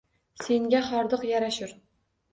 Senga hordiq yarashur…